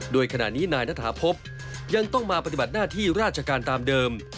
โดยขณะนี้นายณฐาพบยังต้องมาปฏิบัติหน้าที่ราชการตามเดิม